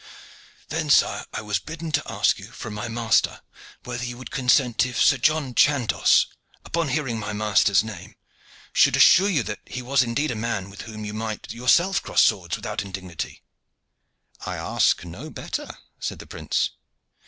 "Then, sire, I was bidden to ask you from my master whether you would consent if Sir John Chandos, upon hearing my master's name, should assure you that he was indeed a man with whom you might yourself cross swords without indignity." "I ask no better," said the prince.